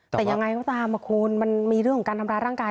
แต่ยังไงก็ตามคุณมันมีเรื่องของการทำร้ายร่างกาย